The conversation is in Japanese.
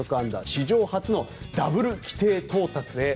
史上初のダブル規定到達へ。